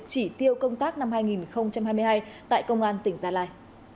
chỉ tiêu công tác năm hai nghìn hai mươi hai tại công an tỉnh gia lai